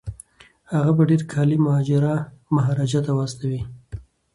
هغه به ډیر کالي مهاراجا ته واستوي.